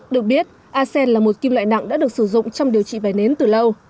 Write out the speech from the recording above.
được biết asean là một kim loại nặng đã được sử dụng trong điều trị vẩy nến từ lâu